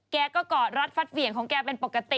แกก็กอดรัดฟัดเหวี่ยงของแกเป็นปกติ